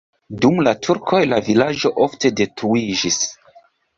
Dum la turkoj la vilaĝo ofte detruiĝis.